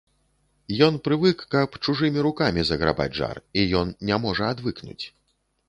Ён прывык, каб чужымі рукамі заграбаць жар, і ён не можа адвыкнуць.